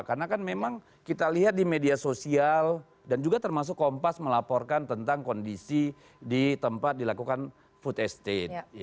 karena kan memang kita lihat di media sosial dan juga termasuk kompas melaporkan tentang kondisi di tempat dilakukan food estate